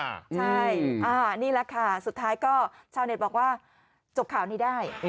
ใช่นี่แหละค่ะสุดท้ายก็ชาวเน็ตบอกว่าจบข่าวนี้ได้